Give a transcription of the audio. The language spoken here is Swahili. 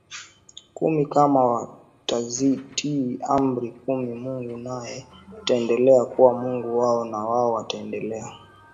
kumi kama watazitii Amri kumi Mungu naye Ataendelea kuwa Mungu wao na wao wataendelea